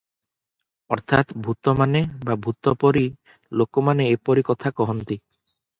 ଅର୍ଥାତ୍ ଭୂତମାନେ ବା ଭୂତପରି ଲୋକମାନେ ଏପରି କଥା କହନ୍ତି ।